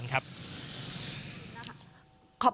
สนั่นเลยครับ